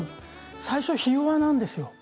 最初はひ弱ないんです。